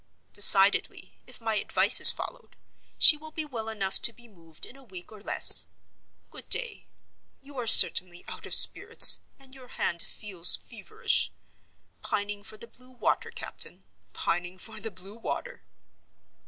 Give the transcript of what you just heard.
"Decidedly, if my advice is followed. She will be well enough to be moved in a week or less. Good day. You are certainly out of spirits, and your hand feels feverish. Pining for the blue water, captain—pining for the blue water!"